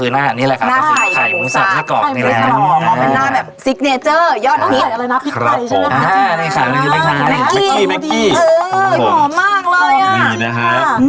อื้อนี่คือใครตอนเด็กเลยเนอะ